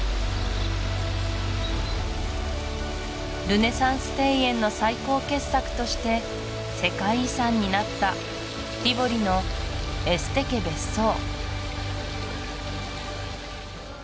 ルネサンス庭園の最高傑作として世界遺産になったティヴォリのエステ家別荘